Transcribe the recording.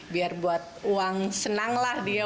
biar buat uang senang lah dia